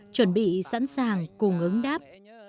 chuẩn bị sẵn sàng cùng ứng đáp